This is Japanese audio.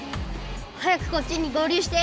早くこっちに合流して。